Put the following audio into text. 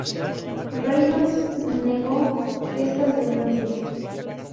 Reynolds negó estas denuncias.